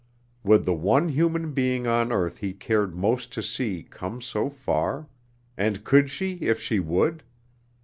Would the one human being on earth he cared most to see come so far, and could she if she would?